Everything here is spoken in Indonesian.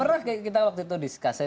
pernah kita waktu itu diskusi